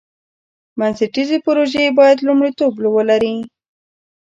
بنسټیزې پروژې باید لومړیتوب ولري.